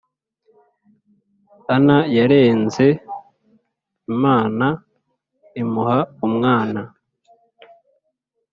Ana yarenze Imana imuha umwana